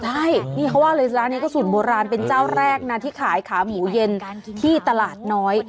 ใช่นี่เขาว่าเลยร้านนี้ก็สูตรโบราณเป็นเจ้าแรกนะที่ขายขาหมูเย็นที่ตลาดน้อย